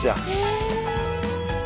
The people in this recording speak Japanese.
え。